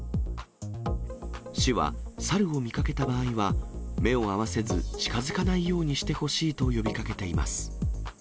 市は、サルを見かけた場合は、目を合わせず、近づかないようにしてほしいと呼びかけています。